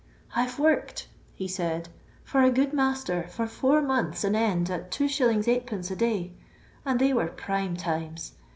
" I *ve worked," he said, "for a good master for four months an end at 2s. %d, a day, and they were prime times.